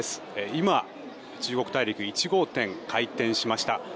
今、中国大陸１号店開店しました。